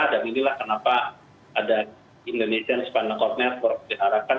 dan inilah kenapa ada indonesian spinal cord network diarahkan